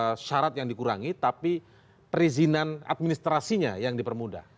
tidak ini bukan syarat yang dikurangi tapi perizinan administrasinya yang dipermudah